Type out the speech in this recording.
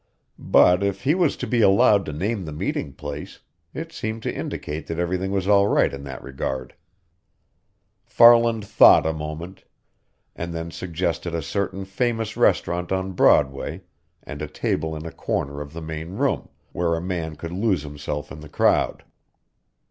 But if he was to be allowed to name the meeting place, it seemed to indicate that everything was all right in that regard. Farland though a moment, and then suggested a certain famous restaurant on Broadway and a table in a corner of the main room, where a man could lose himself in the crowd.